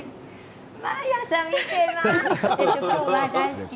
毎朝見ています。